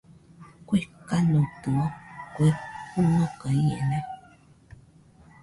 ¿Kue kanoitɨo, kue fɨnoka iena?